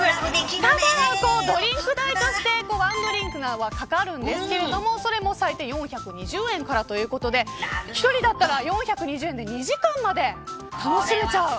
ドリンク代として１ドリンクはかかるんですがそれも最低４２０円からということで１人だったら４２０円で２時間まで楽しめちゃう。